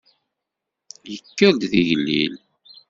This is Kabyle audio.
Yenker-d d igellil.